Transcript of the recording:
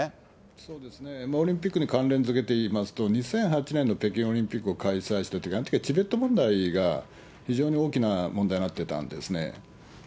そうですね、オリンピックに関連づけて言いますと、２００８年の北京オリンピックを開催したとき、あのときはチベット問題が非常に大きな問題になってたんですね。